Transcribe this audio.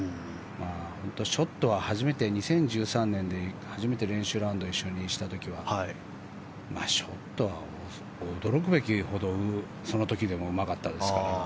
本当にショットは２０１３年で初めて練習ラウンドを一緒にした時はショットは驚くべきほどその時でもうまかったですから。